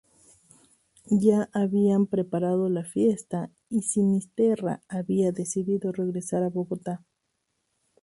Ya habían preparado la fiesta y Sinisterra había decidido regresar a Bogotá.